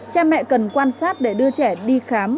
cha mẹ cần quan sát để đưa trẻ đi khám